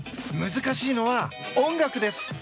難しいのは音楽です。